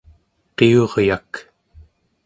qiuryak